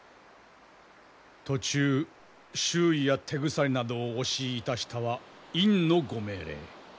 途中囚衣や手鎖などをお強いいたしたは院のご命令。